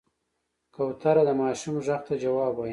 کوتره د ماشوم غږ ته ځواب وايي.